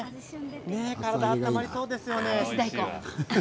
体が温まりそうですよね。